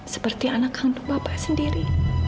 seperti anak kandung bapak sendiri